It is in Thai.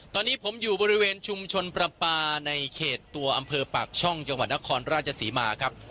ตอนนี้ผมอยู่บริเวณชุมชนประปาในเขตตัวอำเภอปากช่องจังหวัดนครราชศรีมาครับ